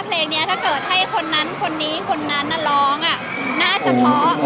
เพลงนี้ถ้าเกิดให้คนนั้นคนนี้คนนั้นน่ะร้องน่าจะเพราะ